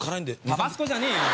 タバスコじゃねえよ！